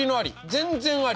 全然あり。